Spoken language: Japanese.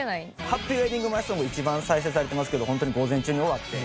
『ハッピーウェディング前ソング』一番再生されてますけどホントに午前中に終わって。